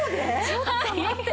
ちょっと待って。